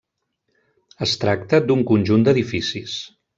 Es tracta d'un conjunt d'edificis.